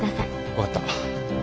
分かった。